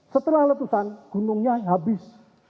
setelah letusan gunungnya habis